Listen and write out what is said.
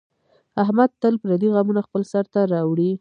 احمد تل پردي غمونه خپل سر ته راوړي.